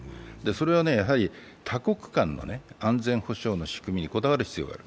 それはやはり多国間の安全保障の仕組みにこだわる必要がある。